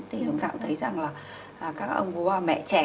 thì chúng ta cũng thấy rằng là các ông bố mẹ trẻ